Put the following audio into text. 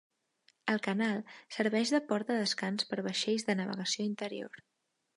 El canal serveix de port de descans per vaixells de navegació interior.